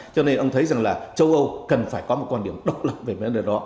cho nên ông thấy rằng là châu âu cần phải có một quan điểm độc lập về vấn đề đó